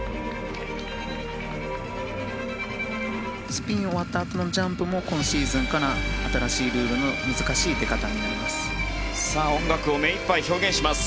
スピンを終わったあとのジャンプも今シーズンから新しいルールの難しい入れ方になります。